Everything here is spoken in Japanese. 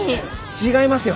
違いますよ。